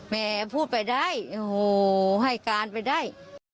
แม่พูดไปได้โอ้โหให้การไปได้